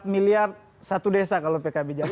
empat miliar satu desa kalau pkb jalan